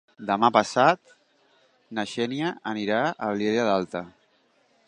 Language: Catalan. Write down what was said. Demà passat na Xènia anirà a la Vilella Alta.